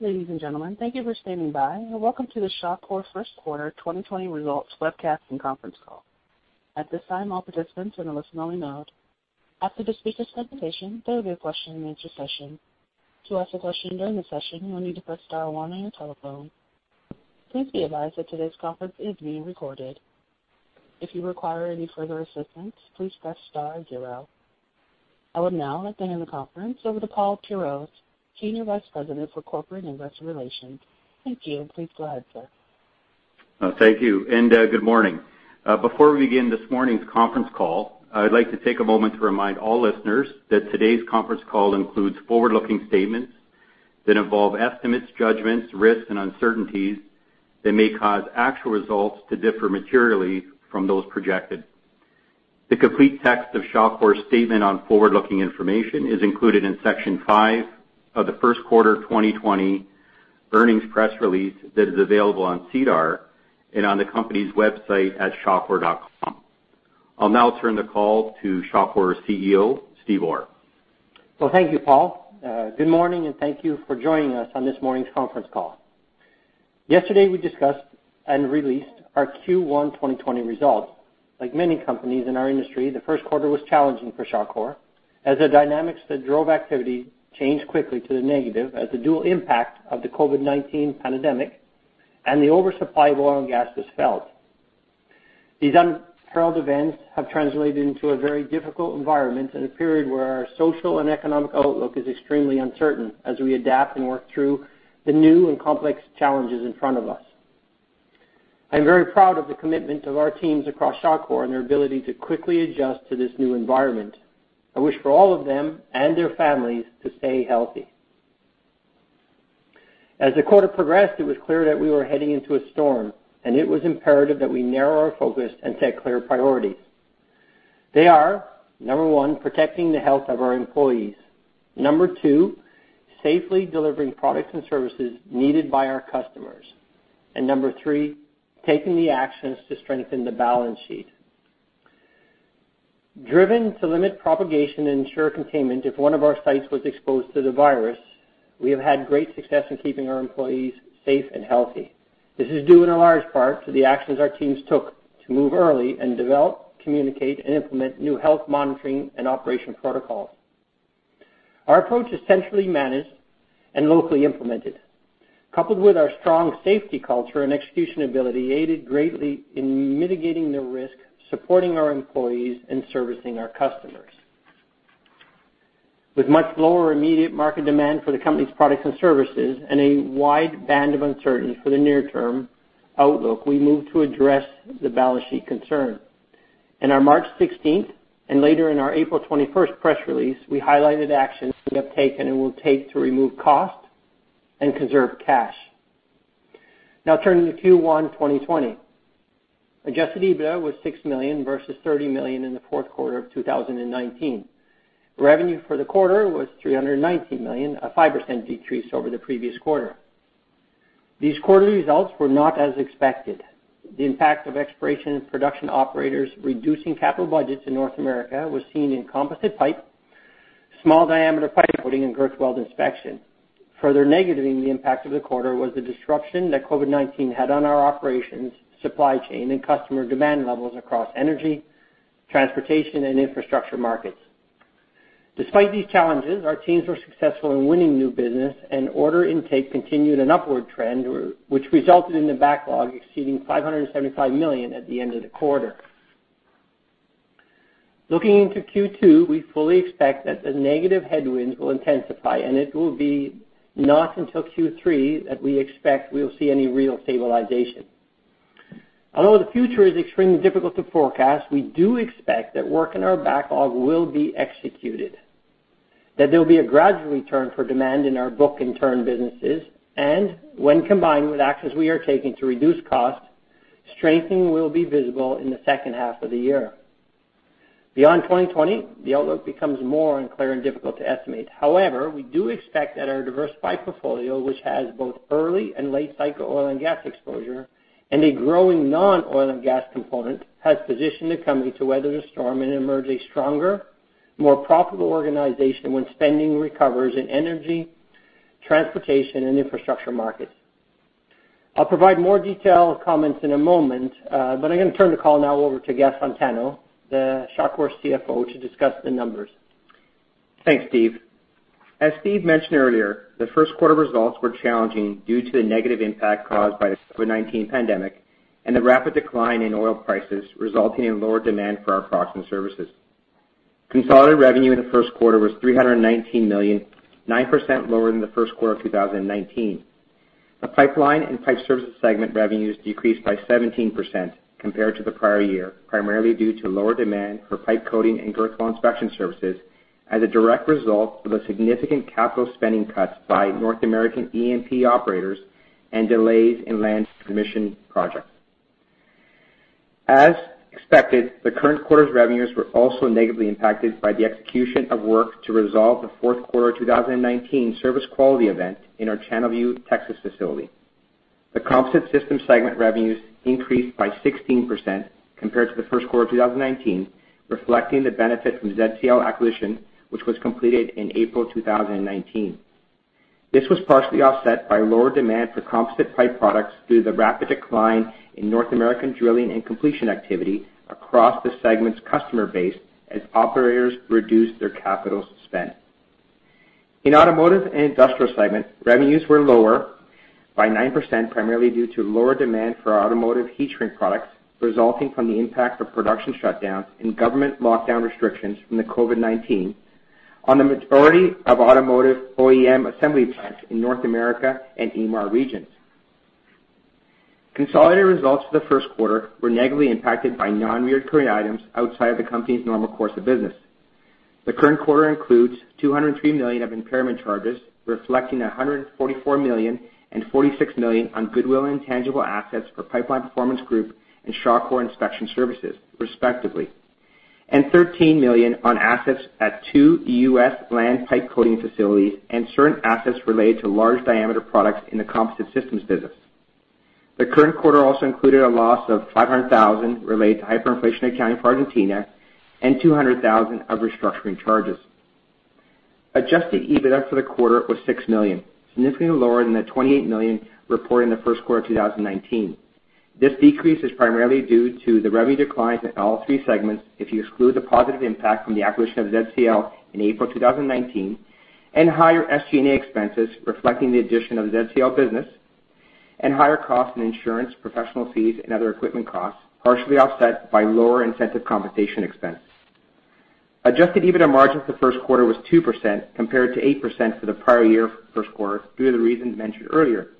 Ladies and gentlemen, thank you for standing by, and welcome to the Shawcor First Quarter 2020 Results Webcast and Conference Call. At this time, all participants are on a listen-only mode. After the speaker's presentation, there will be a question-and-answer session. To ask a question during the session, you will need to press star one on your telephone. Please be advised that today's conference is being recorded. If you require any further assistance, please press star zero. I will now turn the conference over to Paul Pierroz, Senior Vice President for Corporate and Investor Relations. Thank you, and please go ahead, sir. Thank you, and good morning. Before we begin this morning's conference call, I'd like to take a moment to remind all listeners that today's conference call includes forward-looking statements that involve estimates, judgments, risks, and uncertainties that may cause actual results to differ materially from those projected. The complete text of Shawcor's statement on forward-looking information is included in Section Five of the First Quarter 2020 Earnings Press Release that is available on SEDAR and on the company's website at shawcor.com. I'll now turn the call to Shawcor's CEO, Steve Orr. Well, thank you, Paul. Good morning, and thank you for joining us on this morning's conference call. Yesterday, we discussed and released our Q1 2020 results. Like many companies in our industry, the first quarter was challenging for Shawcor as the dynamics that drove activity changed quickly to the negative as the dual impact of the COVID-19 pandemic and the oversupply of oil and gas was felt. These unfurled events have translated into a very difficult environment in a period where our social and economic outlook is extremely uncertain as we adapt and work through the new and complex challenges in front of us. I'm very proud of the commitment of our teams across Shawcor and their ability to quickly adjust to this new environment. I wish for all of them and their families to stay healthy. As the quarter progressed, it was clear that we were heading into a storm, and it was imperative that we narrow our focus and set clear priorities. They are number 1, protecting the health of our employees. Number 2, safely delivering products and services needed by our customers. And number 3, taking the actions to strengthen the balance sheet. Driven to limit propagation and ensure containment, if one of our sites was exposed to the virus, we have had great success in keeping our employees safe and healthy. This is due in large part to the actions our teams took to move early and develop, communicate, and implement new health monitoring and operation protocols. Our approach is centrally managed and locally implemented. Coupled with our strong safety culture and execution ability, it aided greatly in mitigating the risk, supporting our employees, and servicing our customers. With much lower immediate market demand for the company's products and services and a wide band of uncertainty for the near-term outlook, we moved to address the balance sheet concern. In our March 16th and later in our April 21st press release, we highlighted actions we have taken and will take to remove cost and conserve cash. Now, turning to Q1 2020, Adjusted EBITDA was 6 million versus 30 million in the fourth quarter of 2019. Revenue for the quarter was 319 million, a 5% decrease over the previous quarter. These quarterly results were not as expected. The impact of exploration and production operators reducing capital budgets in North America was seen in composite pipe, small diameter pipe coating, and girth weld inspection. Further negativing the impact of the quarter was the disruption that COVID-19 had on our operations, supply chain, and customer demand levels across energy, transportation, and infrastructure markets. Despite these challenges, our teams were successful in winning new business, and order intake continued an upward trend, which resulted in the backlog exceeding 575 million at the end of the quarter. Looking into Q2, we fully expect that the negative headwinds will intensify, and it will be not until Q3 that we expect we'll see any real stabilization. Although the future is extremely difficult to forecast, we do expect that work in our backlog will be executed, that there will be a gradual return for demand in our book-and-turn businesses, and when combined with actions we are taking to reduce cost, strengthening will be visible in the second half of the year. Beyond 2020, the outlook becomes more unclear and difficult to estimate. However, we do expect that our diversified portfolio, which has both early and late-cycle oil and gas exposure and a growing non-oil and gas component, has positioned the company to weather the storm and emerge a stronger, more profitable organization when spending recovers in energy, transportation, and infrastructure markets. I'll provide more detailed comments in a moment, but I'm going to turn the call now over to Gaston Tano, the Shawcor CFO, to discuss the numbers. Thanks, Steve. As Steve mentioned earlier, the first quarter results were challenging due to the negative impact caused by the COVID-19 pandemic and the rapid decline in oil prices, resulting in lower demand for our products and services. Consolidated revenue in the first quarter was 319 million, 9% lower than the first quarter of 2019. The pipeline and pipe services segment revenues decreased by 17% compared to the prior year, primarily due to lower demand for pipe coating and girth weld inspection services as a direct result of the significant capital spending cuts by North American E&P operators and delays in land submission projects. As expected, the current quarter's revenues were also negatively impacted by the execution of work to resolve the fourth quarter 2019 service quality event in our Channelview, Texas facility. The Composite Systems segment revenues increased by 16% compared to the first quarter of 2019, reflecting the benefit from ZCL acquisition, which was completed in April 2019. This was partially offset by lower demand for composite pipe products due to the rapid decline in North American drilling and completion activity across the segment's customer base as operators reduced their capital spend. In the automotive and industrial segment, revenues were lower by 9%, primarily due to lower demand for automotive heat-shrink products resulting from the impact of production shutdowns and government lockdown restrictions from the COVID-19 on the majority of automotive OEM assembly plants in North America and EMAR regions. Consolidated results for the first quarter were negatively impacted by non-recurring carry items outside of the company's normal course of business. The current quarter includes 203 million of impairment charges, reflecting 144 million and 46 million on goodwill and tangible assets for Pipeline Performance Group and Shawcor Inspection Services, respectively, and CAD 13 million on assets at two U.S. land pipe coating facilities and certain assets related to large diameter products in the composite systems business. The current quarter also included a loss of 500,000 related to hyperinflation accounting for Argentina and 200,000 of restructuring charges. Adjusted EBITDA for the quarter was 6 million, significantly lower than the 28 million reported in the first quarter of 2019. This decrease is primarily due to the revenue declines in all three segments if you exclude the positive impact from the acquisition of ZCL in April 2019 and higher SG&A expenses reflecting the addition of ZCL business and higher costs in insurance, professional fees, and other equipment costs, partially offset by lower incentive compensation expense. Adjusted EBITDA margins for the first quarter was 2% compared to 8% for the prior year's first quarter due to the reasons mentioned earlier.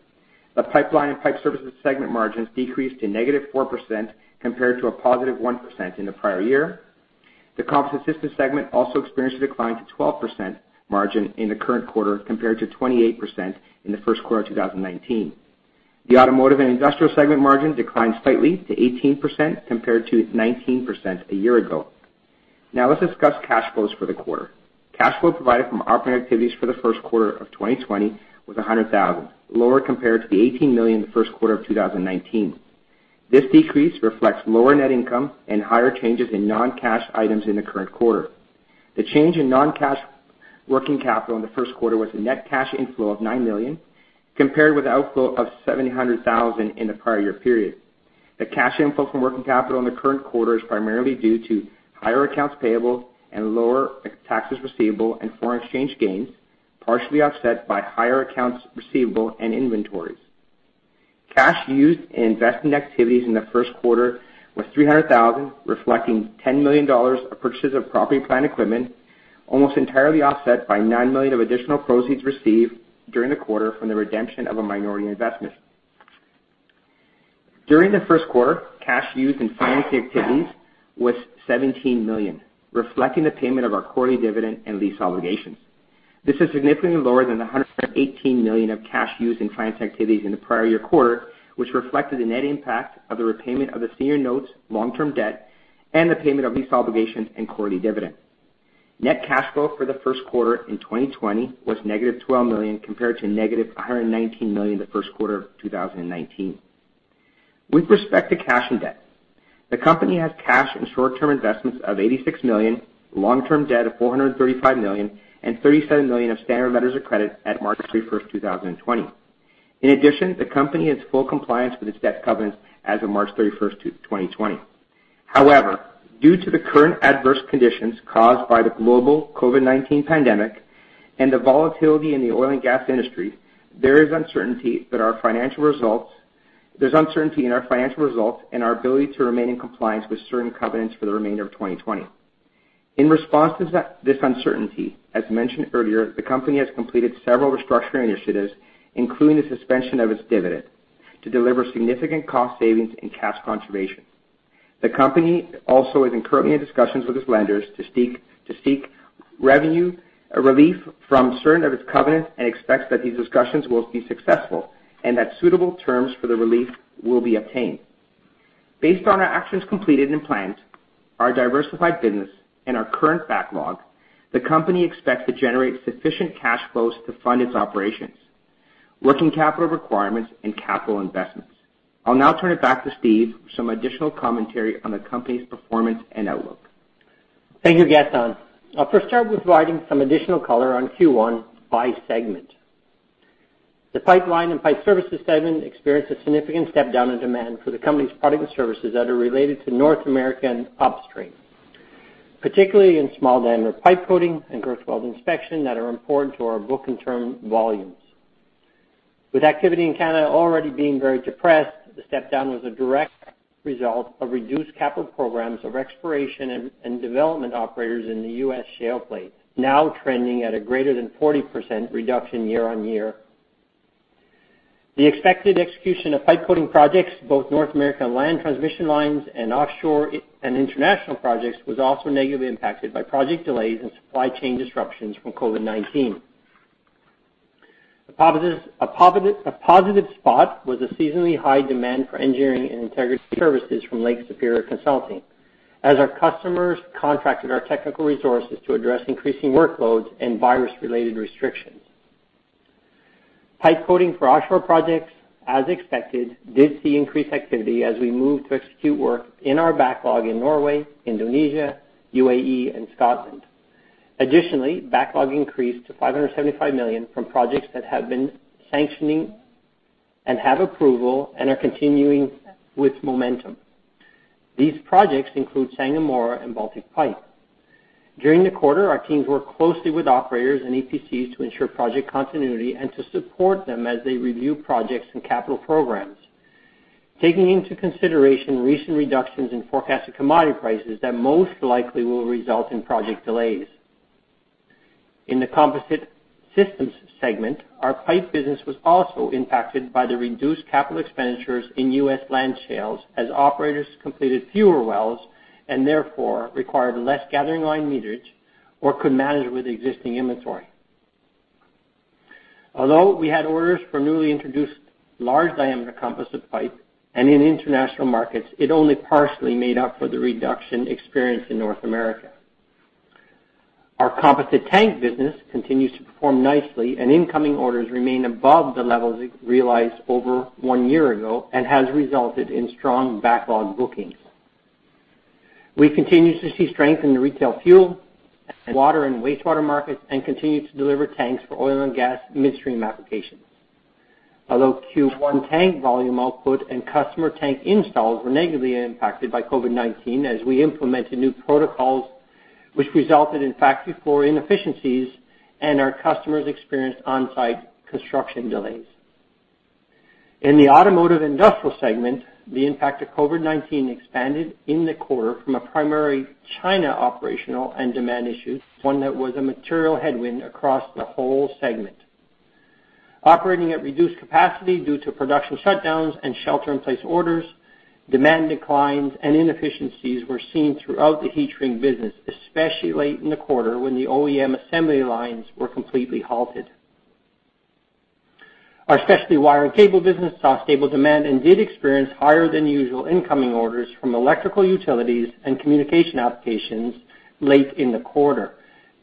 The pipeline and pipe services segment margins decreased to -4% compared to +1% in the prior year. The composite systems segment also experienced a decline to 12% margin in the current quarter compared to 28% in the first quarter of 2019. The automotive and industrial segment margins declined slightly to 18% compared to 19% a year ago. Now, let's discuss cash flows for the quarter. Cash flow provided from operating activities for the first quarter of 2020 was 100,000, lower compared to the 18 million in the first quarter of 2019. This decrease reflects lower net income and higher changes in non-cash items in the current quarter. The change in non-cash working capital in the first quarter was a net cash inflow of 9 million compared with the outflow of 700,000 in the prior year period. The cash inflow from working capital in the current quarter is primarily due to higher accounts payable and lower taxes receivable and foreign exchange gains, partially offset by higher accounts receivable and inventories. Cash used in investment activities in the first quarter was 300,000, reflecting 10 million dollars of purchases of property, plant, and equipment, almost entirely offset by 9 million of additional proceeds received during the quarter from the redemption of a minority investment. During the first quarter, cash used in financing activities was CAD 17 million, reflecting the payment of our quarterly dividend and lease obligations. This is significantly lower than the CAD 118 million of cash used in financing activities in the prior year quarter, which reflected the net impact of the repayment of the senior note's long-term debt and the payment of lease obligations and quarterly dividend. Net cash flow for the first quarter in 2020 was negative 12 million compared to negative 119 million in the first quarter of 2019. With respect to cash and debt, the company has cash and short-term investments of 86 million, long-term debt of 435 million, and 37 million of standard letters of credit at March 31st, 2020. In addition, the company is in full compliance with its debt covenants as of March 31st, 2020. However, due to the current adverse conditions caused by the global COVID-19 pandemic and the volatility in the oil and gas industry, there is uncertainty in our financial results and our ability to remain in compliance with certain covenants for the remainder of 2020. In response to this uncertainty, as mentioned earlier, the company has completed several restructuring initiatives, including the suspension of its dividend, to deliver significant cost savings and cash conservation. The company also is currently in discussions with its lenders to seek relief from certain of its covenants and expects that these discussions will be successful and that suitable terms for the relief will be obtained. Based on our actions completed and planned, our diversified business, and our current backlog, the company expects to generate sufficient cash flows to fund its operations, working capital requirements, and capital investments. I'll now turn it back to Steve for some additional commentary on the company's performance and outlook. Thank you, Gaston. I'll first start with providing some additional color on Q1 by segment. The pipeline and pipe services segment experienced a significant step down in demand for the company's product and services that are related to North American upstream, particularly in small diameter pipe coating and girth weld inspection that are important to our book-and-turn volumes. With activity in Canada already being very depressed, the step down was a direct result of reduced capital programs of exploration and development operators in the U.S. shale plays, now trending at a greater than 40% reduction year-over-year. The expected execution of pipe coating projects, both North American land transmission lines and offshore and international projects, was also negatively impacted by project delays and supply chain disruptions from COVID-19. A positive spot was the seasonally high demand for engineering and integrity services from Lake Superior Consulting, as our customers contracted our technical resources to address increasing workloads and virus-related restrictions. Pipe coating for offshore projects, as expected, did see increased activity as we moved to execute work in our backlog in Norway, Indonesia, UAE, and Scotland. Additionally, backlog increased to 575 million from projects that have been sanctioning and have approval and are continuing with momentum. These projects include Sangomar and Baltic Pipe. During the quarter, our teams worked closely with operators and EPCs to ensure project continuity and to support them as they review projects and capital programs, taking into consideration recent reductions in forecasted commodity prices that most likely will result in project delays. In the composite systems segment, our pipe business was also impacted by the reduced capital expenditures in the U.S. Land shales as operators completed fewer wells and therefore required less gathering line meterage or could manage with existing inventory. Although we had orders for newly introduced large diameter composite pipe and in international markets, it only partially made up for the reduction experienced in North America. Our composite tank business continues to perform nicely, and incoming orders remain above the levels realized over one year ago and have resulted in strong backlog bookings. We continue to see strength in the retail fuel, water and wastewater markets, and continue to deliver tanks for oil and gas midstream applications. Although Q1 tank volume output and customer tank installs were negatively impacted by COVID-19 as we implemented new protocols, which resulted in factory floor inefficiencies and our customers experienced on-site construction delays. In the automotive industrial segment, the impact of COVID-19 expanded in the quarter from a primary China operational and demand issue, one that was a material headwind across the whole segment. Operating at reduced capacity due to production shutdowns and shelter-in-place orders, demand declines and inefficiencies were seen throughout the heat-shrink business, especially late in the quarter when the OEM assembly lines were completely halted. Our specialty wire and cable business saw stable demand and did experience higher-than-usual incoming orders from electrical utilities and communication applications late in the quarter,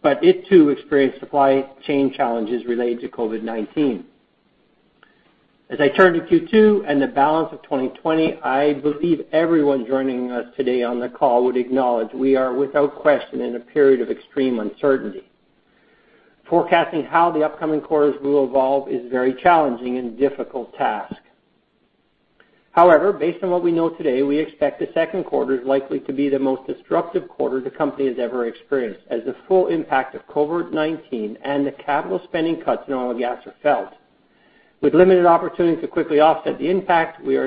but it too experienced supply chain challenges related to COVID-19. As I turn to Q2 and the balance of 2020, I believe everyone joining us today on the call would acknowledge we are without question in a period of extreme uncertainty. Forecasting how the upcoming quarters will evolve is a very challenging and difficult task. However, based on what we know today, we expect the second quarter is likely to be the most disruptive quarter the company has ever experienced, as the full impact of COVID-19 and the capital spending cuts in oil and gas are felt. With limited opportunity to quickly offset the impact, we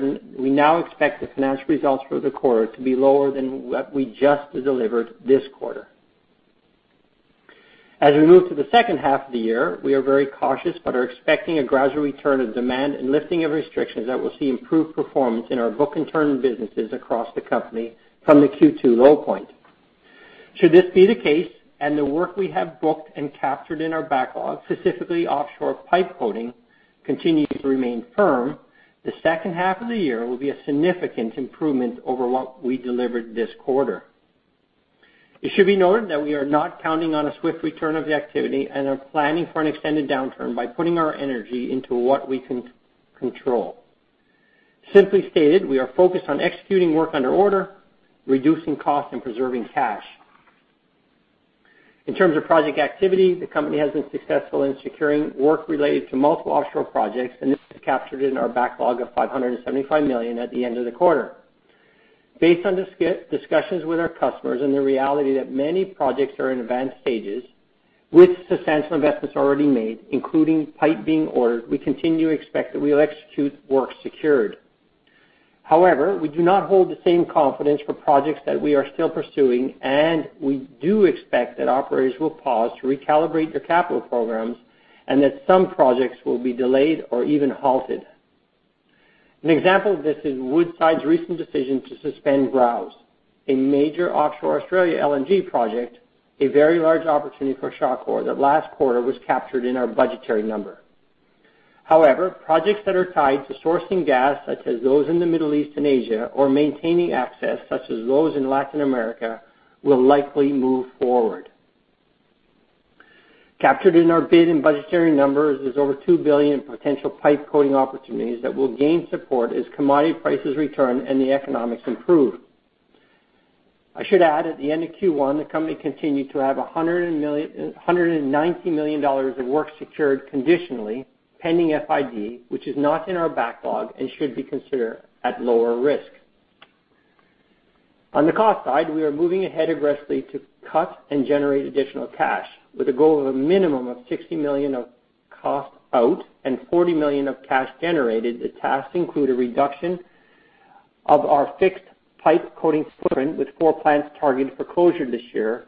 now expect the financial results for the quarter to be lower than what we just delivered this quarter. As we move to the second half of the year, we are very cautious but are expecting a gradual return of demand and lifting of restrictions that will see improved performance in our book-and-turn businesses across the company from the Q2 low point. Should this be the case and the work we have booked and captured in our backlog, specifically offshore pipe coating, continues to remain firm, the second half of the year will be a significant improvement over what we delivered this quarter. It should be noted that we are not counting on a swift return of the activity and are planning for an extended downturn by putting our energy into what we can control. Simply stated, we are focused on executing work under order, reducing costs, and preserving cash. In terms of project activity, the company has been successful in securing work related to multiple offshore projects, and this is captured in our backlog of 575 million at the end of the quarter. Based on discussions with our customers and the reality that many projects are in advanced stages, with substantial investments already made, including pipe being ordered, we continue to expect that we will execute work secured. However, we do not hold the same confidence for projects that we are still pursuing, and we do expect that operators will pause to recalibrate their capital programs and that some projects will be delayed or even halted. An example of this is Woodside's recent decision to suspend Browse, a major offshore Australia LNG project, a very large opportunity for Shawcor that last quarter was captured in our budgetary number. However, projects that are tied to sourcing gas, such as those in the Middle East and Asia, or maintaining access, such as those in Latin America, will likely move forward. Captured in our bid and budgetary numbers is over $2 billion in potential pipe coating opportunities that will gain support as commodity prices return and the economics improve. I should add, at the end of Q1, the company continued to have $190 million of work secured conditionally pending FID, which is not in our backlog and should be considered at lower risk. On the cost side, we are moving ahead aggressively to cut and generate additional cash. With a goal of a minimum of $60 million of cost out and $40 million of cash generated, the tasks include a reduction of our fixed pipe coating footprint with 4 plants targeted for closure this year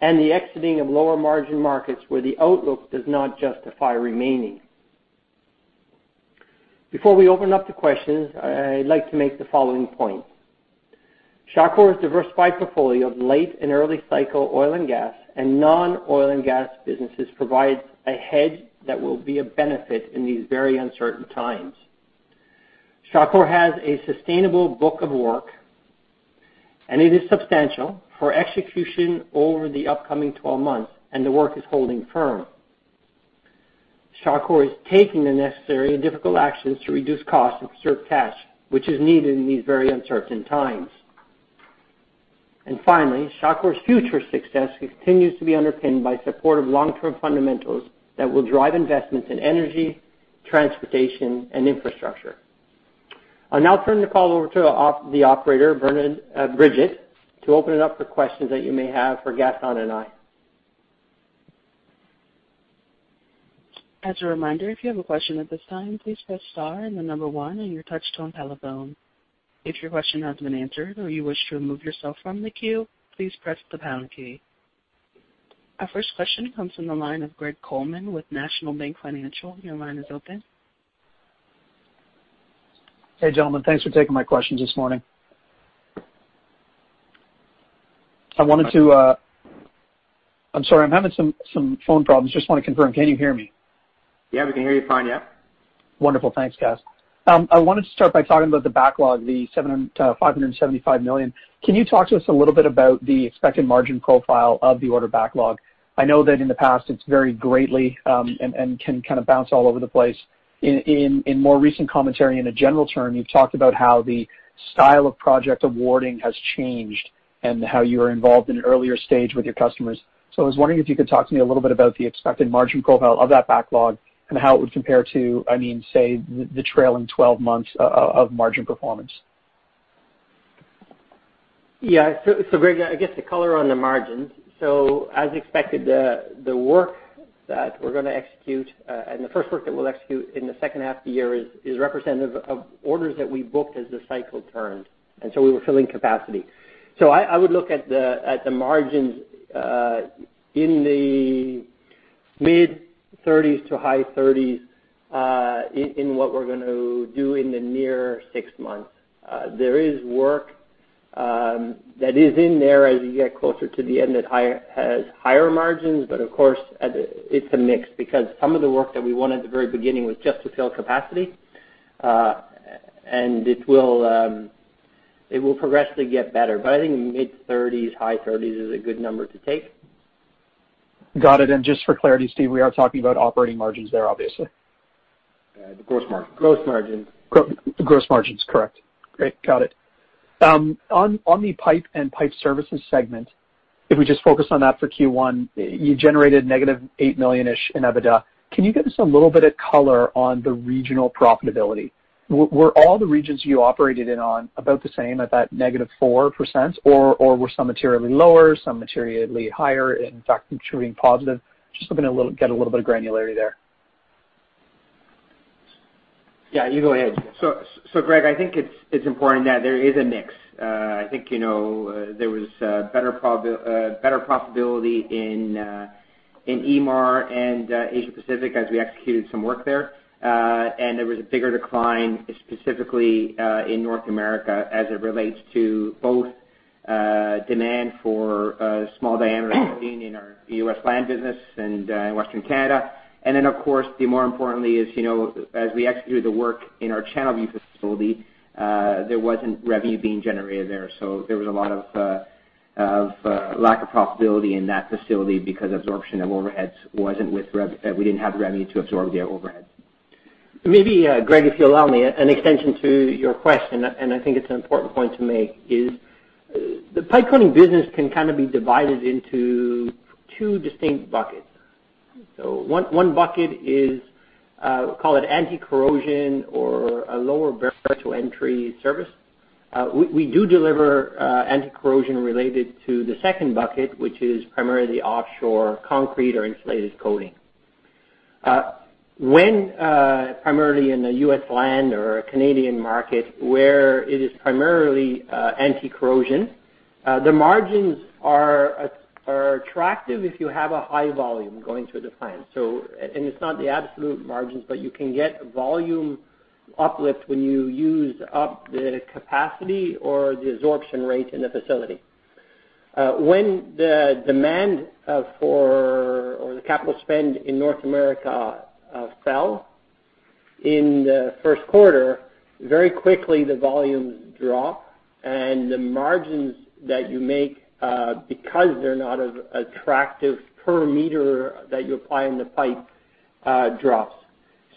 and the exiting of lower margin markets where the outlook does not justify remaining. Before we open up to questions, I'd like to make the following point. Shawcor's diversified portfolio of late and early cycle oil and gas and non-oil and gas businesses provides a hedge that will be a benefit in these very uncertain times. Shawcor has a sustainable book of work, and it is substantial for execution over the upcoming 12 months, and the work is holding firm. Shawcor is taking the necessary and difficult actions to reduce costs and preserve cash, which is needed in these very uncertain times. And finally, Shawcor's future success continues to be underpinned by supportive long-term fundamentals that will drive investments in energy, transportation, and infrastructure. I'll now turn the call over to the operator, Bridget, to open it up for questions that you may have for Gaston and I. As a reminder, if you have a question at this time, please press star and the number one on your touch-tone telephone. If your question has been answered or you wish to remove yourself from the queue, please press the pound key. Our first question comes from the line of Greg Colman with National Bank Financial. Your line is open. Hey, gentlemen. Thanks for taking my questions this morning. I'm sorry, I'm having some phone problems. Just want to confirm, can you hear me? Yeah, we can hear you fine. Yeah. Wonderful. Thanks, Gaston. I wanted to start by talking about the backlog, the 575 million. Can you talk to us a little bit about the expected margin profile of the order backlog? I know that in the past it's varied greatly and can kind of bounce all over the place. In more recent commentary, in a general term, you've talked about how the style of project awarding has changed and how you are involved in an earlier stage with your customers. So I was wondering if you could talk to me a little bit about the expected margin profile of that backlog and how it would compare to, I mean, say, the trailing 12 months of margin performance. Yeah. So, Greg, I guess the color on the margins. As expected, the work that we're going to execute and the first work that we'll execute in the second half of the year is representative of orders that we booked as the cycle turned, and so we were filling capacity. I would look at the margins in the mid-30s to high 30s in what we're going to do in the near six months. There is work that is in there as you get closer to the end that has higher margins, but of course, it's a mix because some of the work that we want at the very beginning was just to fill capacity, and it will progressively get better. But I think mid-30s, high 30s is a good number to take. Got it. And just for clarity, Steve, we are talking about operating margins there, obviously. The gross margin. Gross margin. Gross margins. Correct. Great. Got it. On the pipe and pipe services segment, if we just focus on that for Q1, you generated negative 8 million-ish in EBITDA. Can you give us a little bit of color on the regional profitability? Were all the regions you operated in on about the same at that -4%, or were some materially lower, some materially higher, in fact, contributing positive? Just looking to get a little bit of granularity there. Yeah, you go ahead. So, Greg, I think it's important that there is a mix. I think there was better profitability in EMEA and Asia-Pacific as we executed some work there, and there was a bigger decline, specifically in North America, as it relates to both demand for small diameter coating in our U.S. land business and in Western Canada. And then, of course, the more importantly is, as we executed the work in our Channelview facility, there wasn't revenue being generated there. So there was a lot of lack of profitability in that facility because absorption of overheads wasn't with—we didn't have revenue to absorb the overheads. Maybe, Greg, if you allow me, an extension to your question, and I think it's an important point to make, is the pipe coating business can kind of be divided into two distinct buckets. So one bucket is, call it anti-corrosion or a lower barrier to entry service. We do deliver anti-corrosion related to the second bucket, which is primarily offshore concrete or insulated coating. When primarily in the U.S. land or Canadian market, where it is primarily anti-corrosion, the margins are attractive if you have a high volume going through the plant. And it's not the absolute margins, but you can get volume uplift when you use up the capacity or the absorption rate in the facility. When the demand for or the capital spend in North America fell in the first quarter, very quickly the volumes drop, and the margins that you make because they're not of attractive per meter that you apply in the pipe drops.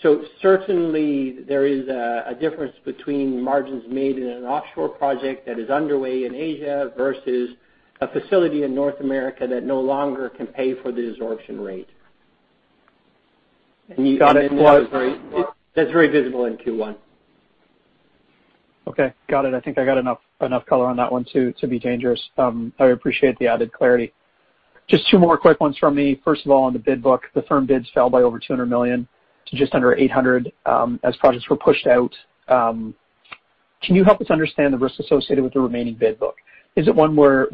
So certainly, there is a difference between margins made in an offshore project that is underway in Asia versus a facility in North America that no longer can pay for the absorption rate. And you can see that's very visible in Q1. Okay. Got it. I think I got enough color on that one to be dangerous. I appreciate the added clarity. Just two more quick ones from me. First of all, on the bid book, the firm bids fell by over 200 million to just under 800 million as projects were pushed out. Can you help us understand the risk associated with the remaining bid book? Is it one where,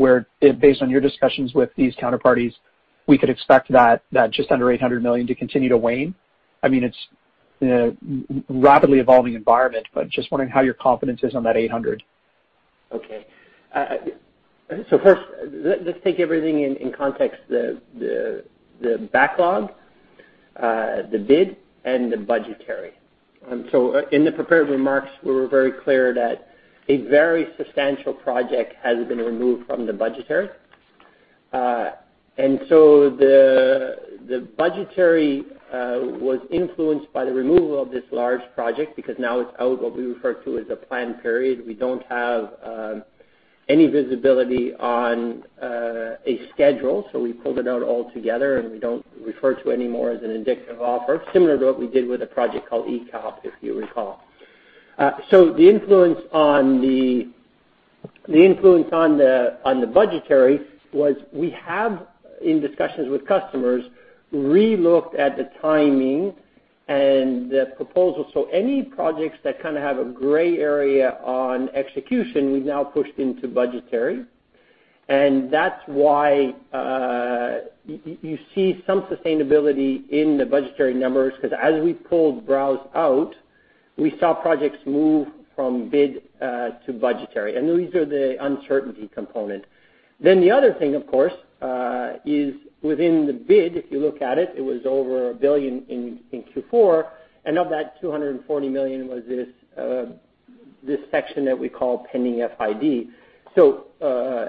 based on your discussions with these counterparties, we could expect that just under 800 million to continue to wane? I mean, it's a rapidly evolving environment, but just wondering how your confidence is on that 800. Okay. So first, let's take everything in context: the backlog, the bid, and the budgetary. So in the prepared remarks, we were very clear that a very substantial project has been removed from the budgetary. And so the budgetary was influenced by the removal of this large project because now it's out what we refer to as a planned period. We don't have any visibility on a schedule, so we pulled it out altogether, and we don't refer to it anymore as an indicative offer, similar to what we did with a project called EACOP, if you recall. So the influence on the budgetary was we have, in discussions with customers, relooked at the timing and the proposal. So any projects that kind of have a gray area on execution, we've now pushed into budgetary. That's why you see some sustainability in the budgetary numbers because as we pulled Browse out, we saw projects move from bid to budgetary. And these are the uncertainty component. Then the other thing, of course, is within the bid, if you look at it, it was over $1 billion in Q4, and of that, $240 million was this section that we call pending FID.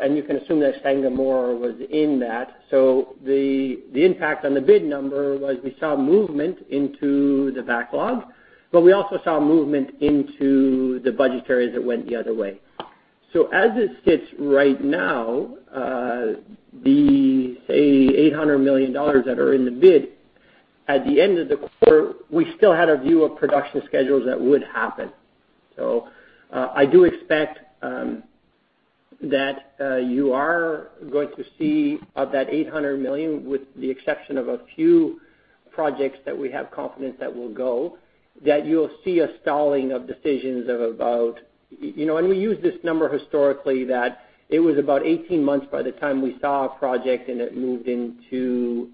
And you can assume that Sangomar was in that. So the impact on the bid number was we saw movement into the backlog, but we also saw movement into the budgetary as it went the other way. So as it sits right now, the, say, $800 million that are in the bid, at the end of the quarter, we still had a view of production schedules that would happen. So, I do expect that you are going to see of that 800 million, with the exception of a few projects that we have confidence that will go, that you'll see a stalling of decisions of about 18 months—and we use this number historically that it was about 18 months by the time we saw a project and it moved into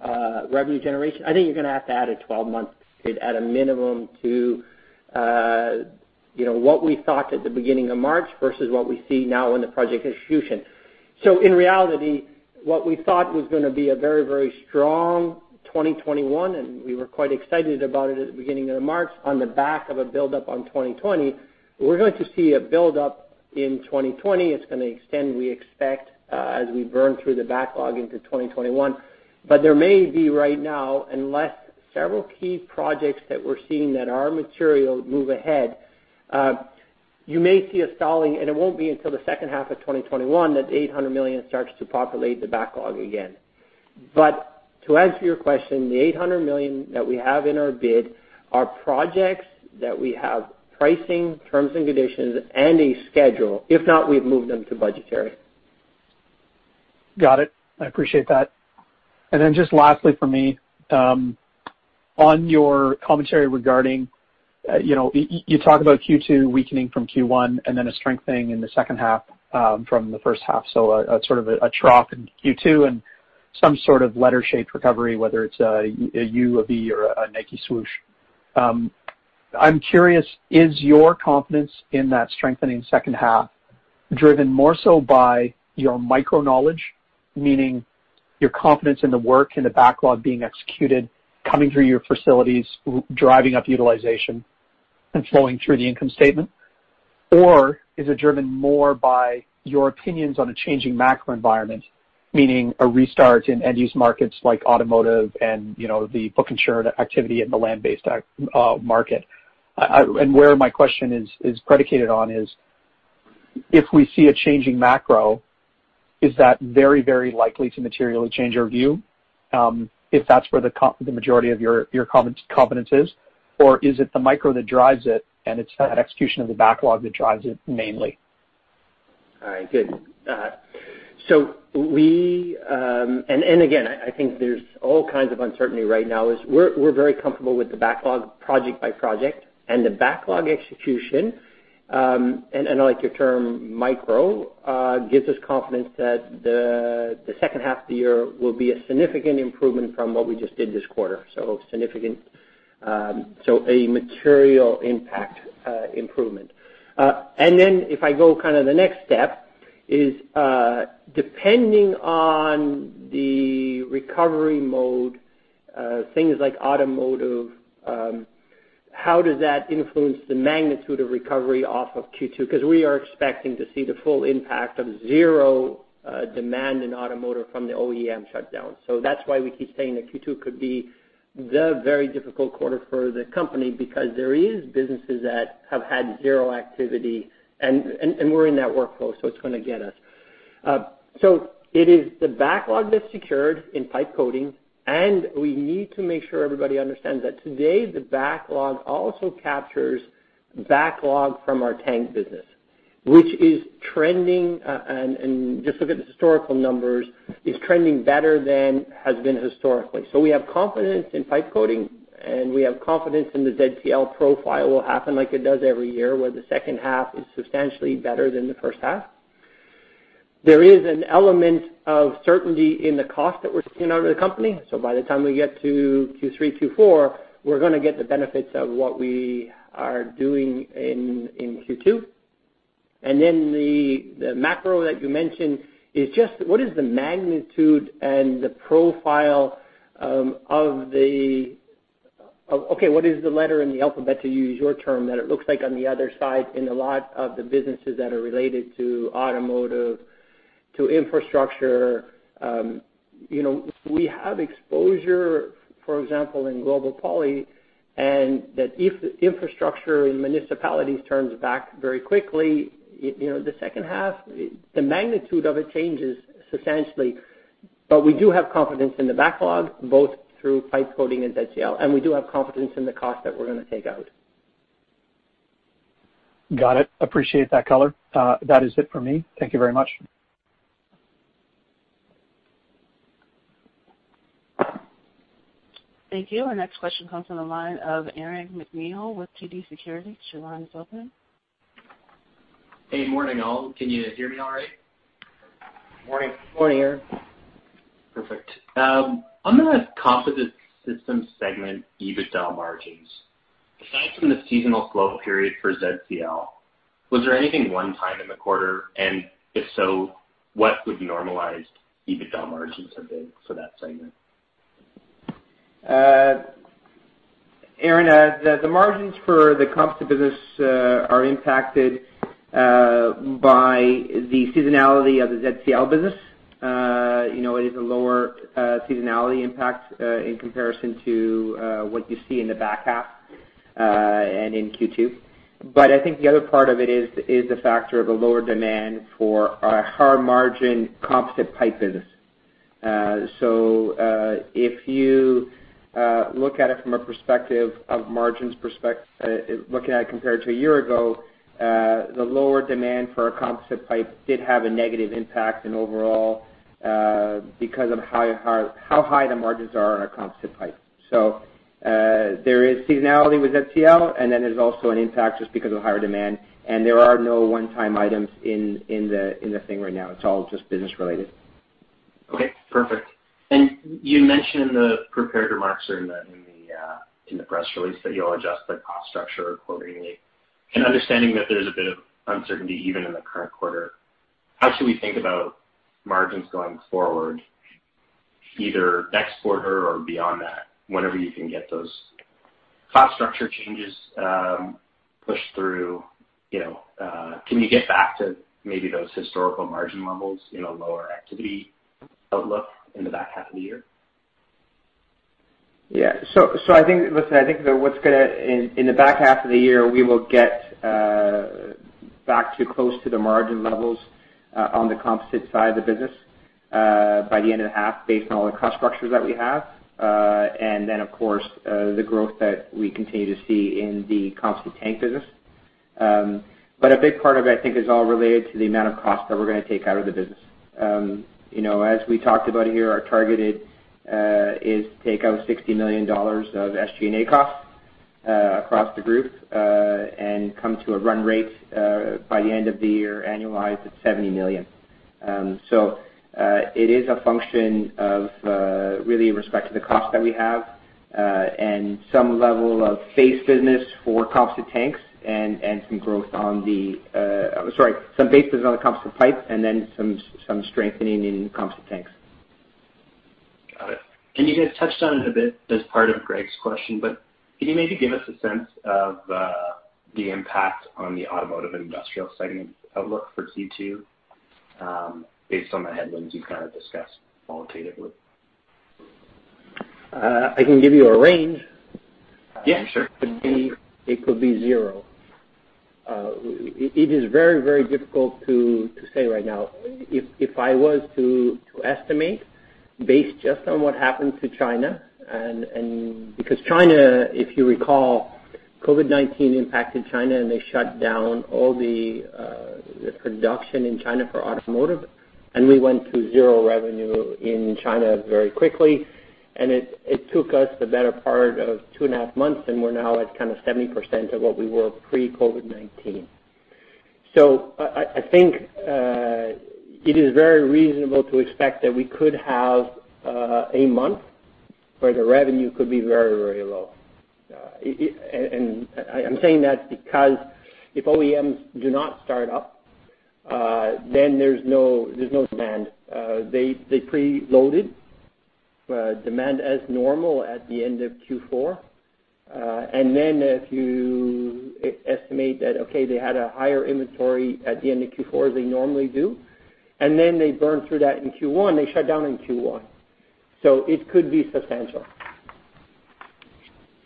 revenue generation. I think you're going to have to add a 12-month period at a minimum to what we thought at the beginning of March versus what we see now in the project execution. So in reality, what we thought was going to be a very, very strong 2021, and we were quite excited about it at the beginning of March on the back of a build-up on 2020, we're going to see a build-up in 2020. It's going to extend, we expect, as we burn through the backlog into 2021. But there may be right now, unless several key projects that we're seeing that are material move ahead, you may see a stalling, and it won't be until the second half of 2021 that the 800 million starts to populate the backlog again. But to answer your question, the 800 million that we have in our bid are projects that we have pricing, terms and conditions, and a schedule. If not, we've moved them to budgetary. Got it. I appreciate that. And then just lastly for me, on your commentary regarding you talk about Q2 weakening from Q1 and then a strengthening in the second half from the first half, so sort of a trough in Q2 and some sort of letter-shaped recovery, whether it's a U, a V, or a Nike swoosh. I'm curious, is your confidence in that strengthening second half driven more so by your micro-knowledge, meaning your confidence in the work and the backlog being executed, coming through your facilities, driving up utilization, and flowing through the income statement? Or is it driven more by your opinions on a changing macro environment, meaning a restart in end-use markets like automotive and the book-and-turn activity in the land-based market? Where my question is predicated on is, if we see a changing macro, is that very, very likely to materially change your view if that's where the majority of your confidence is? Or is it the micro that drives it, and it's that execution of the backlog that drives it mainly? All right. Good. And again, I think there's all kinds of uncertainty right now. We're very comfortable with the backlog, project by project. And the backlog execution, and I like your term, micro, gives us confidence that the second half of the year will be a significant improvement from what we just did this quarter. So a material impact improvement. And then if I go kind of the next step, is depending on the recovery mode, things like automotive, how does that influence the magnitude of recovery off of Q2? Because we are expecting to see the full impact of zero demand in automotive from the OEM shutdown. So that's why we keep saying that Q2 could be the very difficult quarter for the company because there are businesses that have had zero activity, and we're in that workflow, so it's going to get us. So it is the backlog that's secured in pipe coating, and we need to make sure everybody understands that today the backlog also captures backlog from our tank business, which is trending, and just look at the historical numbers, is trending better than has been historically. So we have confidence in pipe coating, and we have confidence in the ZCL profile will happen like it does every year, where the second half is substantially better than the first half. There is an element of certainty in the cost that we're seeing out of the company. So by the time we get to Q3, Q4, we're going to get the benefits of what we are doing in Q2. And then the macro that you mentioned is just what is the magnitude and the profile of the, okay, what is the letter in the alphabet, to use your term, that it looks like on the other side in a lot of the businesses that are related to automotive, to infrastructure? We have exposure, for example, in Global Poly, and that if infrastructure in municipalities turns back very quickly, the second half, the magnitude of it changes substantially. But we do have confidence in the backlog, both through pipe coating and ZCL, and we do have confidence in the cost that we're going to take out. Got it. Appreciate that color. That is it for me. Thank you very much. Thank you. Our next question comes from the line of Aaron MacNeil with TD Securities. The line is open. Hey, morning, all. Can you hear me all right? Morning. Morning, Aaron. Perfect. On the composite system segment EBITDA margins, aside from the seasonal slow period for ZCL, was there anything one time in the quarter, and if so, what would normalized EBITDA margins have been for that segment? Aaron, the margins for the composite business are impacted by the seasonality of the ZCL business. It is a lower seasonality impact in comparison to what you see in the back half and in Q2. But I think the other part of it is the factor of a lower demand for our hard margin composite pipe business. So if you look at it from a perspective of margins perspective, looking at it compared to a year ago, the lower demand for a composite pipe did have a negative impact in overall because of how high the margins are on a composite pipe. So there is seasonality with ZCL, and then there's also an impact just because of higher demand, and there are no one-time items in the thing right now. It's all just business-related. Okay. Perfect. And you mentioned in the prepared remarks or in the press release that you'll adjust the cost structure accordingly. And understanding that there's a bit of uncertainty even in the current quarter, how should we think about margins going forward, either next quarter or beyond that, whenever you can get those cost structure changes pushed through? Can we get back to maybe those historical margin levels in a lower activity outlook in the back half of the year? Yeah. So I think, listen, I think that what's going to in the back half of the year, we will get back to close to the margin levels on the composite side of the business by the end of the half based on all the cost structures that we have, and then, of course, the growth that we continue to see in the composite tank business. But a big part of it, I think, is all related to the amount of cost that we're going to take out of the business. As we talked about here, our target is to take out $60 million of SG&A costs across the group and come to a run rate by the end of the year, annualized, at $70 million. So it is a function of really respecting the cost that we have and some level of base business for composite tanks and some growth on the—sorry, some base business on the composite pipe, and then some strengthening in composite tanks. Got it. And you guys touched on it a bit as part of Greg's question, but can you maybe give us a sense of the impact on the automotive industrial segment outlook for Q2 based on the headwinds you've kind of discussed qualitatively? I can give you a range. Yeah, sure. It could be zero. It is very, very difficult to say right now. If I was to estimate based just on what happened to China, and because China, if you recall, COVID-19 impacted China and they shut down all the production in China for automotive, and we went to zero revenue in China very quickly, and it took us the better part of two and a half months, and we're now at kind of 70% of what we were pre-COVID-19. So I think it is very reasonable to expect that we could have a month where the revenue could be very, very low. And I'm saying that because if OEMs do not start up, then there's no demand. They preloaded demand as normal at the end of Q4. If you estimate that, okay, they had a higher inventory at the end of Q4 as they normally do, and then they burn through that in Q1, they shut down in Q1. It could be substantial.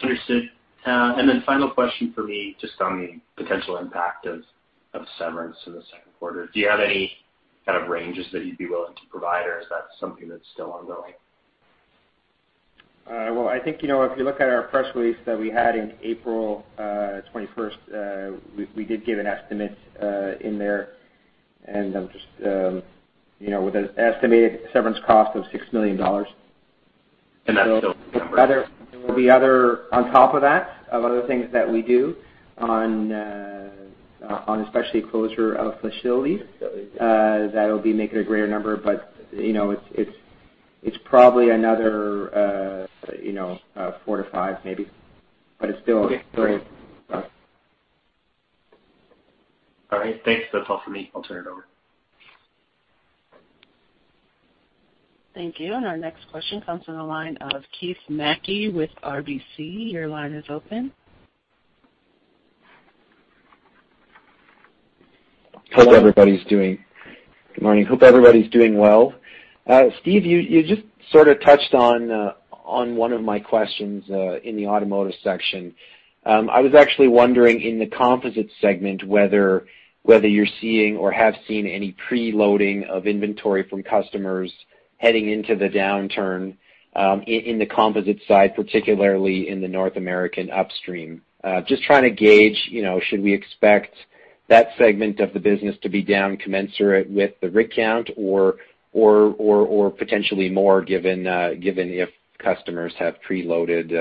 Understood. And then final question for me, just on the potential impact of severance in the second quarter. Do you have any kind of ranges that you'd be willing to provide, or is that something that's still ongoing? Well, I think if you look at our press release that we had in April 21st, we did give an estimate in there, and I'm just with an estimated severance cost of $6 million. That's still a number. There will be other on top of that, of other things that we do, on especially closure of facilities, that will be making a greater number. But it's probably another 4 to 5, maybe. But it's still. Okay. All right. Thanks. That's all for me. I'll turn it over. Thank you. Our next question comes from the line of Keith Mackey with RBC. Your line is open. Hello everybody. Good morning. Hope everybody's doing well. Steve, you just sort of touched on one of my questions in the automotive section. I was actually wondering in the composite segment whether you're seeing or have seen any preloading of inventory from customers heading into the downturn in the composite side, particularly in the North American upstream. Just trying to gauge, should we expect that segment of the business to be down commensurate with the rig count or potentially more given if customers have preloaded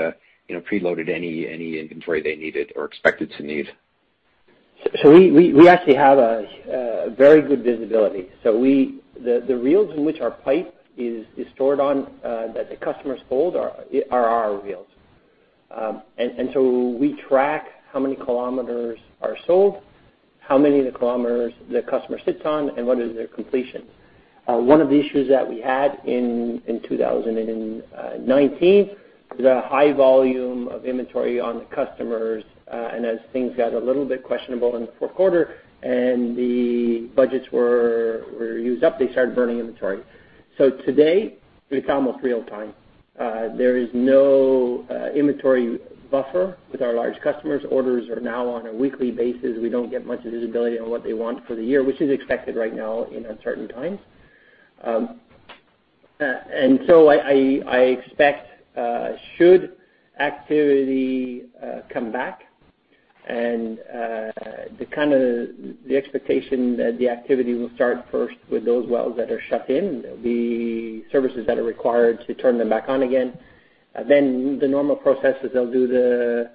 any inventory they needed or expected to need? So we actually have a very good visibility. So the reels in which our pipe is stored on that the customers hold are our reels. And so we track how many kilometers are sold, how many of the kilometers the customer sits on, and what is their completion. One of the issues that we had in 2019 was a high volume of inventory on the customers. And as things got a little bit questionable in the fourth quarter and the budgets were used up, they started burning inventory. So today, it's almost real time. There is no inventory buffer with our large customers. Orders are now on a weekly basis. We don't get much visibility on what they want for the year, which is expected right now in uncertain times. And so I expect, should activity come back, and the expectation that the activity will start first with those wells that are shut in, the services that are required to turn them back on again. Then the normal process is they'll do the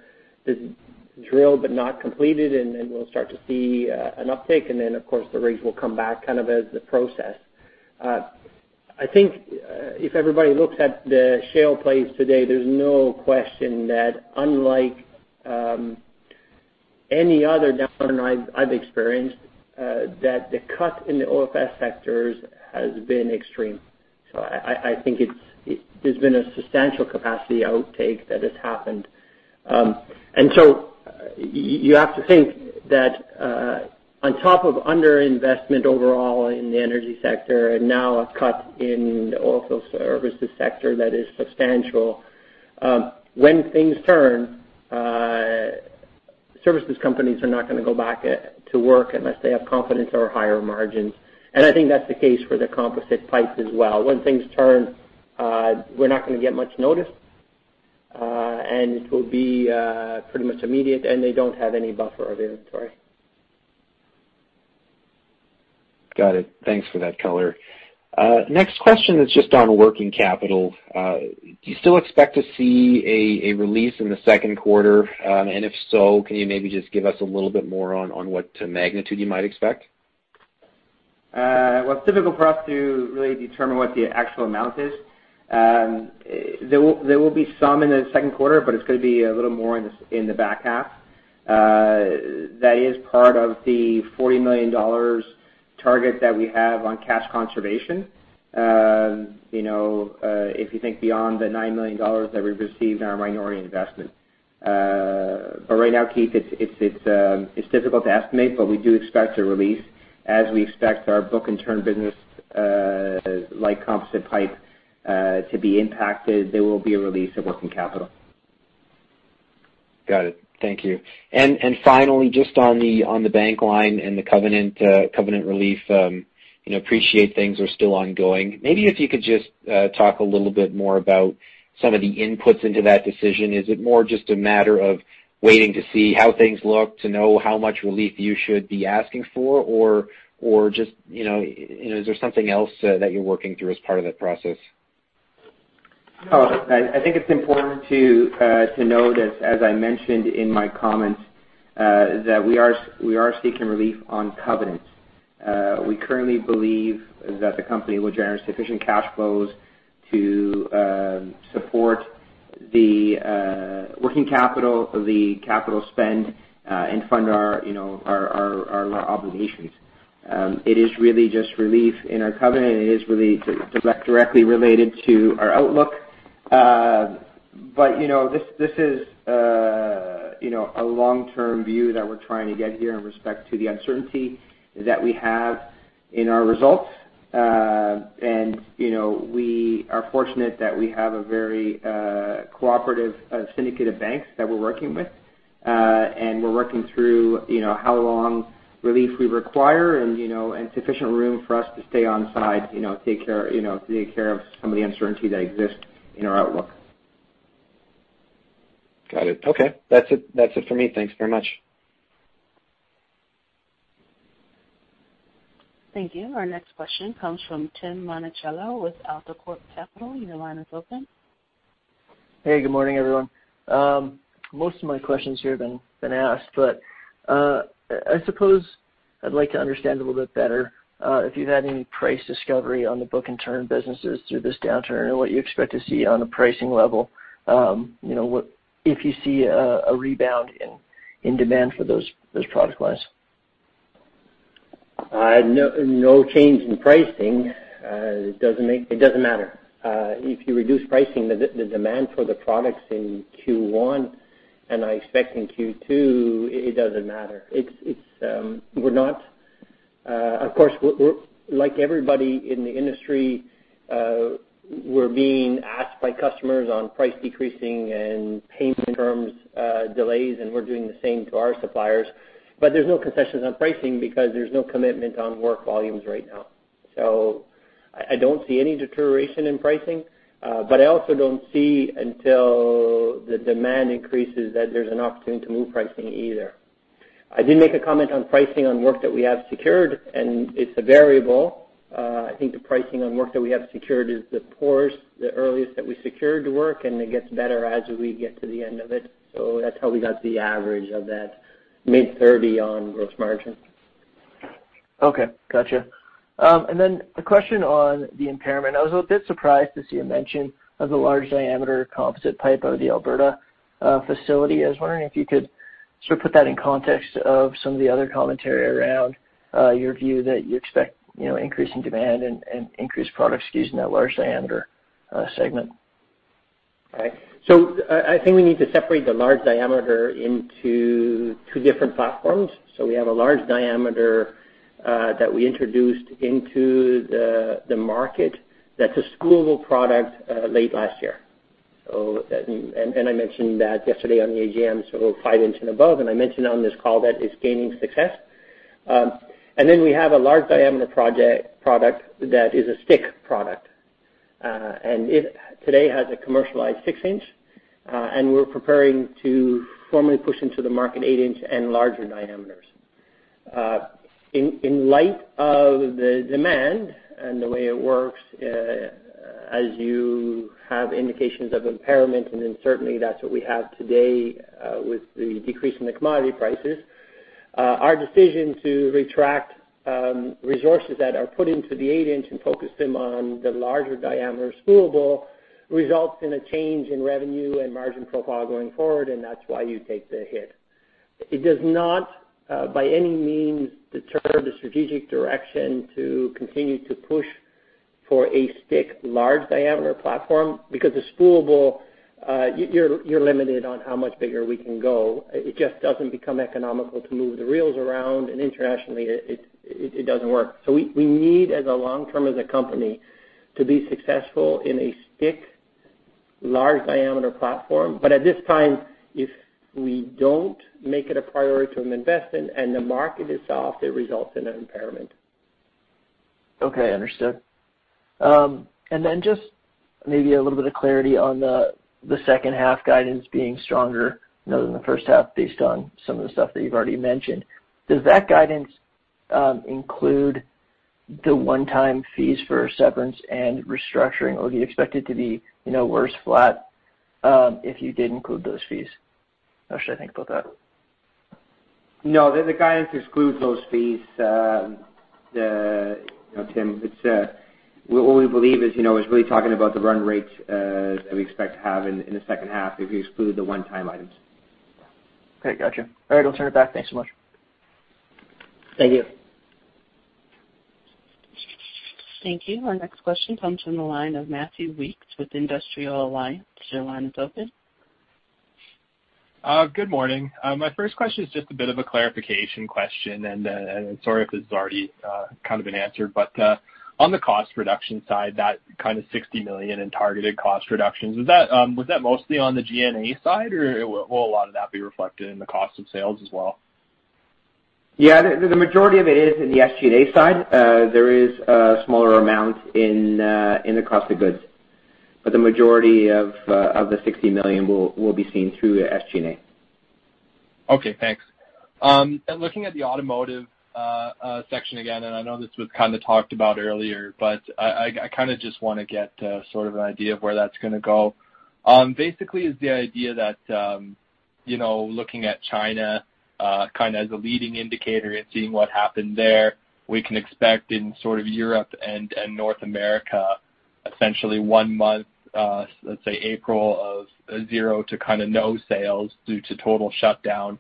drill but not completed, and then we'll start to see an uptick. And then, of course, the rigs will come back kind of as the process. I think if everybody looks at the shale plays today, there's no question that unlike any other downturn I've experienced, that the cut in the OFS sectors has been extreme. So I think there's been a substantial capacity outtake that has happened. And so you have to think that on top of underinvestment overall in the energy sector and now a cut in the oilfield services sector that is substantial, when things turn, services companies are not going to go back to work unless they have confidence or higher margins. I think that's the case for the composite pipe as well. When things turn, we're not going to get much notice, and it will be pretty much immediate, and they don't have any buffer of inventory. Got it. Thanks for that color. Next question is just on working capital. Do you still expect to see a release in the second quarter? And if so, can you maybe just give us a little bit more on what magnitude you might expect? Well, it's difficult for us to really determine what the actual amount is. There will be some in the second quarter, but it's going to be a little more in the back half. That is part of the $40 million target that we have on cash conservation, if you think beyond the $9 million that we've received in our minority investment. But right now, Keith, it's difficult to estimate, but we do expect a release as we expect our book-and-turn business like composite pipe to be impacted. There will be a release of working capital. Got it. Thank you. And finally, just on the bank line and the covenant relief, appreciate things are still ongoing. Maybe if you could just talk a little bit more about some of the inputs into that decision. Is it more just a matter of waiting to see how things look, to know how much relief you should be asking for, or just is there something else that you're working through as part of that process? No. I think it's important to note as I mentioned in my comments that we are seeking relief on covenants. We currently believe that the company will generate sufficient cash flows to support the working capital, the capital spend, and fund our obligations. It is really just relief in our covenant. It is really directly related to our outlook. But this is a long-term view that we're trying to get here in respect to the uncertainty that we have in our results. And we are fortunate that we have a very cooperative syndicate of banks that we're working with, and we're working through how long relief we require and sufficient room for us to stay on side, take care of some of the uncertainty that exists in our outlook. Got it. Okay. That's it for me. Thanks very much. Thank you. Our next question comes from Tim Monachello with AltaCorp Capital. Your line is open. Hey, good morning, everyone. Most of my questions here have been asked, but I suppose I'd like to understand a little bit better if you've had any price discovery on the book-and-turn businesses through this downturn and what you expect to see on the pricing level if you see a rebound in demand for those product lines. No change in pricing. It doesn't matter. If you reduce pricing, the demand for the products in Q1 and I expect in Q2, it doesn't matter. Of course, like everybody in the industry, we're being asked by customers on price decreasing and payment terms delays, and we're doing the same to our suppliers. But there's no concessions on pricing because there's no commitment on work volumes right now. So I don't see any deterioration in pricing, but I also don't see until the demand increases that there's an opportunity to move pricing either. I did make a comment on pricing on work that we have secured, and it's a variable. I think the pricing on work that we have secured is the poorest, the earliest that we secured to work, and it gets better as we get to the end of it. So that's how we got the average of that mid-30 on gross margin. Okay. Gotcha. And then a question on the impairment. I was a bit surprised to see a mention of the large diameter composite pipe of the Alberta facility. I was wondering if you could sort of put that in context of some of the other commentary around your view that you expect increasing demand and increased products used in that large diameter segment? Okay. So I think we need to separate the large diameter into two different platforms. So we have a large diameter that we introduced into the market that's a spoolable product late last year. And I mentioned that yesterday on the AGM, so 5-inch and above. And I mentioned on this call that it's gaining success. And then we have a large diameter product that is a stick pipe. And it today has a commercialized 6-inch, and we're preparing to formally push into the market 8-inch and larger diameters. In light of the demand and the way it works, as you have indications of impairment, and then certainly that's what we have today with the decrease in the commodity prices, our decision to retract resources that are put into the 8-inch and focus them on the larger diameter spoolable results in a change in revenue and margin profile going forward, and that's why you take the hit. It does not by any means deter the strategic direction to continue to push for a stick large diameter platform because the spoolable, you're limited on how much bigger we can go. It just doesn't become economical to move the reels around, and internationally, it doesn't work. So we need, as a long-term as a company, to be successful in a stick large diameter platform. At this time, if we don't make it a priority to invest in and the market is soft, it results in an impairment. Okay. Understood. And then just maybe a little bit of clarity on the second half guidance being stronger than the first half based on some of the stuff that you've already mentioned. Does that guidance include the one-time fees for severance and restructuring, or do you expect it to be worse, flat if you did include those fees? How should I think about that? No. The guidance excludes those fees. Tim, what we believe is really talking about the run rate that we expect to have in the second half if you exclude the one-time items. Okay. Gotcha. All right. I'll turn it back. Thanks so much. Thank you. Thank you. Our next question comes from the line of Matthew Weeks with Industrial Alliance. Your line is open. Good morning. My first question is just a bit of a clarification question, and sorry if this has already kind of been answered. But on the cost reduction side, that kind of 60 million in targeted cost reductions, was that mostly on the G&A side, or will a lot of that be reflected in the cost of sales as well? Yeah. The majority of it is in the SG&A side. There is a smaller amount in the cost of goods. But the majority of the 60 million will be seen through SG&A. Okay. Thanks. Looking at the automotive section again, and I know this was kind of talked about earlier, but I kind of just want to get sort of an idea of where that's going to go. Basically, it's the idea that looking at China kind of as a leading indicator and seeing what happened there, we can expect in sort of Europe and North America, essentially one month, let's say April of zero to kind of no sales due to total shutdown.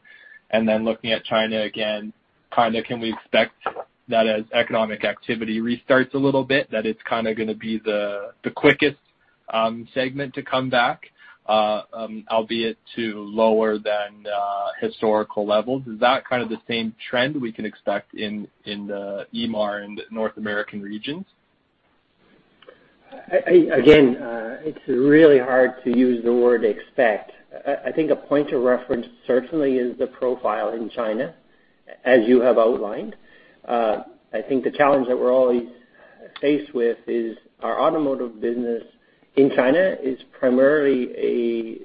And then looking at China again, kind of can we expect that as economic activity restarts a little bit, that it's kind of going to be the quickest segment to come back, albeit to lower than historical levels? Is that kind of the same trend we can expect in the EMAR and North American regions? Again, it's really hard to use the word expect. I think a point of reference certainly is the profile in China, as you have outlined. I think the challenge that we're always faced with is our automotive business in China is primarily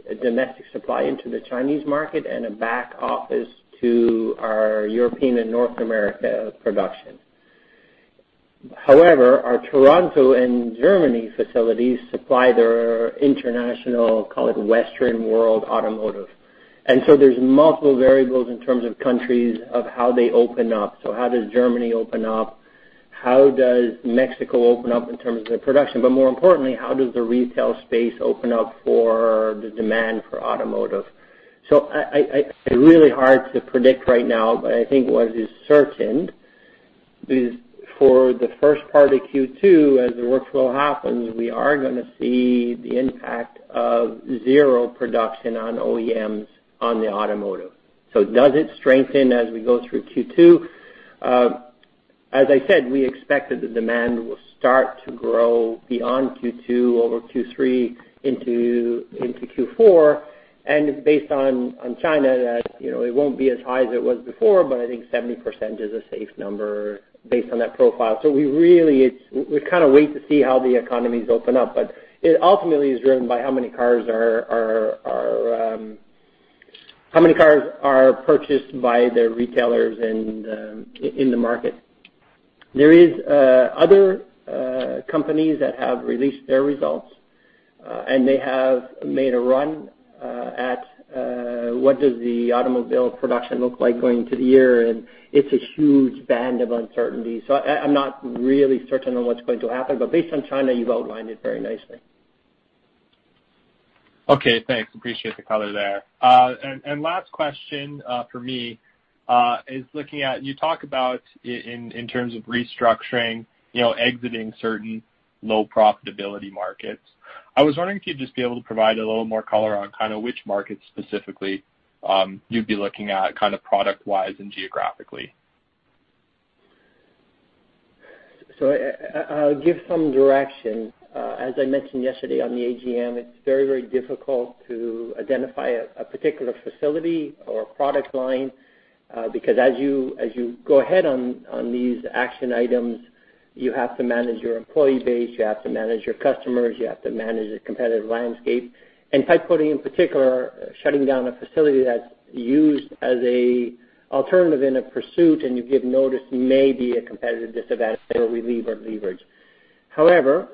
a domestic supply into the Chinese market and a back office to our European and North America production. However, our Toronto and Germany facilities supply their international, call it Western world automotive. And so there's multiple variables in terms of countries of how they open up. So how does Germany open up? How does Mexico open up in terms of their production? But more importantly, how does the retail space open up for the demand for automotive? So it's really hard to predict right now, but I think what is certain is for the first part of Q2, as the workflow happens, we are going to see the impact of zero production on OEMs on the automotive. So does it strengthen as we go through Q2? As I said, we expect that the demand will start to grow beyond Q2, over Q3 into Q4. And based on China, it won't be as high as it was before, but I think 70% is a safe number based on that profile. So we really kind of wait to see how the economy is opened up, but it ultimately is driven by how many cars are purchased by the retailers in the market. There are other companies that have released their results, and they have made a run at what does the automobile production look like going into the year. It's a huge band of uncertainty. I'm not really certain on what's going to happen, but based on China, you've outlined it very nicely. Okay. Thanks. Appreciate the color there. Last question for me is looking at you talk about in terms of restructuring, exiting certain low profitability markets. I was wondering if you'd just be able to provide a little more color on kind of which markets specifically you'd be looking at kind of product-wise and geographically. So I'll give some direction. As I mentioned yesterday on the AGM, it's very, very difficult to identify a particular facility or product line because as you go ahead on these action items, you have to manage your employee base, you have to manage your customers, you have to manage the competitive landscape. And pipe coating in particular, shutting down a facility that's used as an alternative in a pursuit, and you give notice, may be a competitive disadvantage or relieve our leverage. However,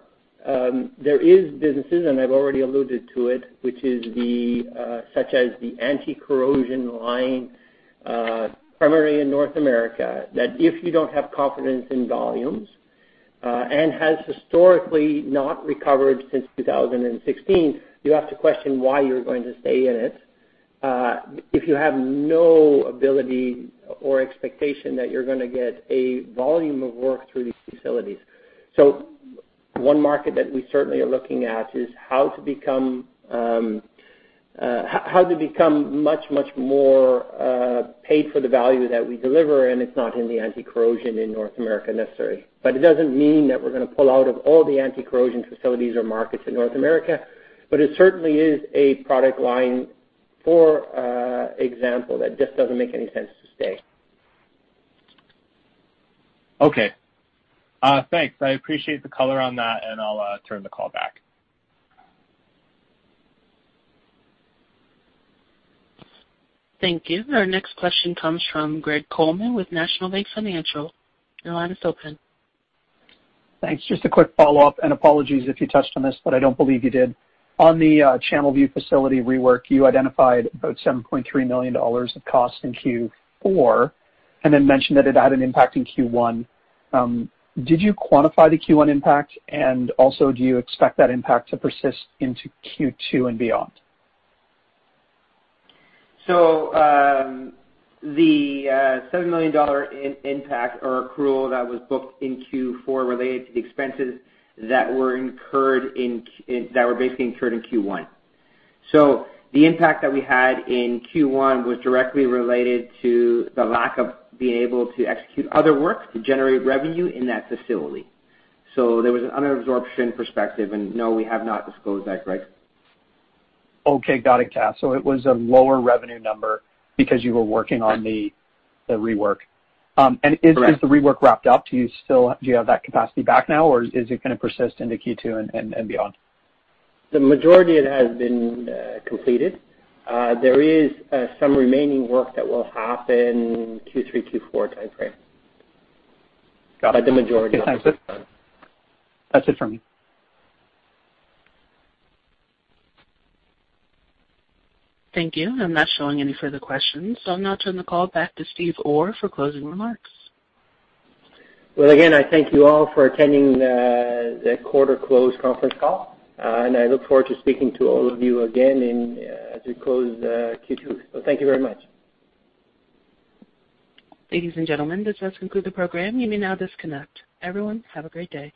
there are businesses, and I've already alluded to it, which is such as the anti-corrosion line primarily in North America, that if you don't have confidence in volumes and has historically not recovered since 2016, you have to question why you're going to stay in it if you have no ability or expectation that you're going to get a volume of work through these facilities. So one market that we certainly are looking at is how to become much, much more paid for the value that we deliver, and it's not in the anti-corrosion in North America necessarily. But it doesn't mean that we're going to pull out of all the anti-corrosion facilities or markets in North America, but it certainly is a product line, for example, that just doesn't make any sense to stay. Okay. Thanks. I appreciate the color on that, and I'll turn the call back. Thank you. Our next question comes from Greg Coleman with National Bank Financial. Your line is open. Thanks. Just a quick follow-up and apologies if you touched on this, but I don't believe you did. On the Channelview facility rework, you identified about $7.3 million of cost in Q4 and then mentioned that it had an impact in Q1. Did you quantify the Q1 impact, and also do you expect that impact to persist into Q2 and beyond? The $7 million impact or accrual that was booked in Q4 related to the expenses that were basically incurred in Q1. The impact that we had in Q1 was directly related to the lack of being able to execute other work to generate revenue in that facility. There was an unabsorption perspective, and no, we have not disclosed that, Greg. Okay. Got it, Gas. So it was a lower revenue number because you were working on the rework. Is the rework wrapped up? Do you have that capacity back now, or is it going to persist into Q2 and beyond? The majority of it has been completed. There is some remaining work that will happen Q3, Q4 timeframe. But the majority of it. That's it from me. Thank you. I'm not showing any further questions. I'll now turn the call back to Steve Orr for closing remarks. Well, again, I thank you all for attending the quarter-close conference call, and I look forward to speaking to all of you again as we close Q2. So thank you very much. Ladies and gentlemen, this does conclude the program. You may now disconnect. Everyone, have a great day.